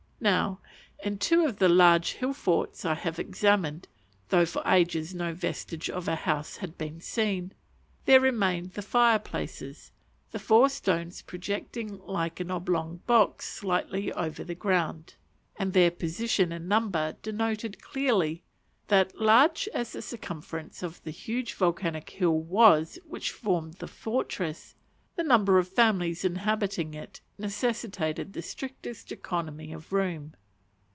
Now, in two of the largest hill forts I have examined (though for ages no vestige of a house had been seen) there remained the fire places the four stones projecting like an oblong box slightly over the ground; and their position and number denoted clearly that, large as the circumference of the huge volcanic hill was which formed the fortress, the number of families inhabiting it necessitated the strictest economy of room.